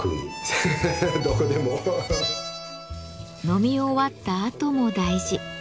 飲み終わったあとも大事。